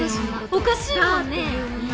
おかしいもんねぇ？